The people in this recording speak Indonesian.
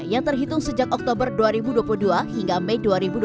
yang terhitung sejak oktober dua ribu dua puluh dua hingga mei dua ribu dua puluh